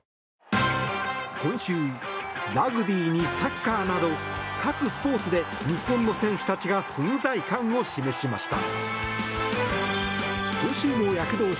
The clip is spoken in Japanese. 今週、ラグビーにサッカーなど各スポーツで日本の選手たちが存在感を示しました。